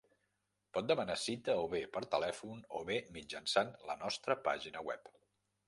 Pot demanar cita o bé per telèfon o bé mitjançant la nostra pàgina web.